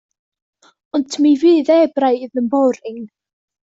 Ond mi fydd e braidd yn boring.